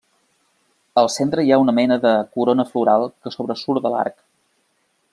Al centre hi ha una mena de corona floral que sobresurt de l'arc.